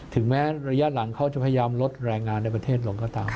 ถึงแม้ระยะหลังเขาจะพยายามลดแรงงานในประเทศลงก็ตาม